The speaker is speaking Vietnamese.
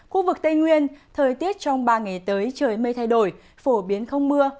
khu vực tây nguyên thời tiết trong ba ngày tới trời mây thay đổi phổ biến không mưa